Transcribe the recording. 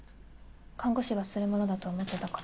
看護師がするものだと思ってたから。